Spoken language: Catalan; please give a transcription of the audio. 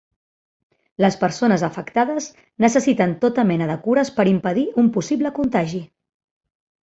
Les persones afectades necessiten tota mena de cures per impedir un possible contagi.